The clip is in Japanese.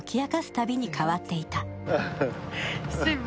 旅に変わっていた。